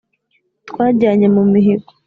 twajyanye mu mihigo.